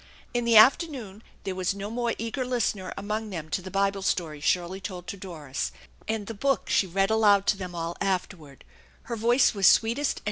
In the afternoon there was no more eager listener among them to the Bible story Shirley told to Doris and the book she read aloud to them all afterward; her voice was sweetest and